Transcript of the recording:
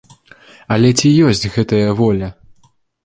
Але ці ёсць гэтая воля?